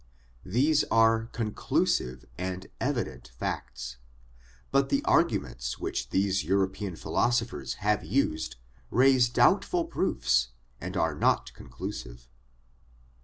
These are conclusive and evident facts. But the arguments which these European philosophers have used raise doubtful proofs and are not conclusive.